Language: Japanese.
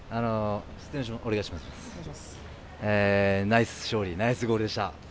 ナイス勝利、ナイスゴールでした。